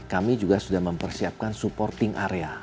kami juga sudah mempersiapkan supporting area